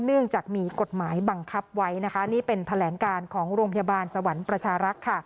เนื่องจากมีกฎหมายบังคับไว้นะคะนี่เป็นแถลงการของโรงพยาบาลสวรรค์ประชารักษ์ค่ะ